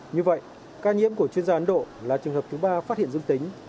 như vậy ca nhiễm của chuyên gia ấn độ là trường hợp thứ ba phát hiện dương tính